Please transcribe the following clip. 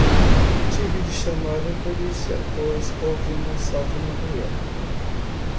Tive de chamar um polícia pois houve um assalto na rua.